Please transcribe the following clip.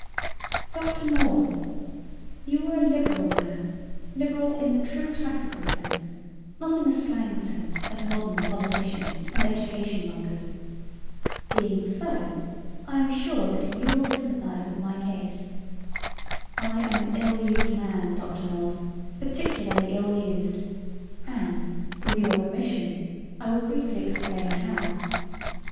DOCTOR NORTH: You are a liberal man: liberal in the true classical sense, not in the slang sense of modern politicians and education mongers. Being so, I am sure that you will sympathize with my case. I am an ill used man, Dr. North particularly ill used; and, with your permission, I will briefly explain how.